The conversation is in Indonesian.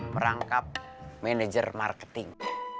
merangkap manager marketing